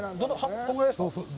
このぐらいですか？